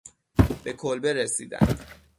به کلبه رسیدند.